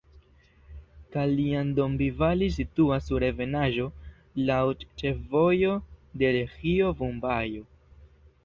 Kaljan-Dombivali situas sur ebenaĵo laŭ ĉefvojo Delhio-Mumbajo.